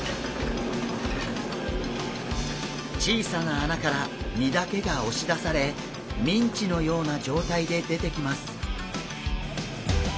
小さな穴から身だけが押し出されミンチのような状態で出てきます。